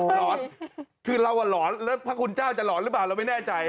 หลอนคือเราหลอนแล้วพระคุณเจ้าจะหลอนหรือเปล่าเราไม่แน่ใจ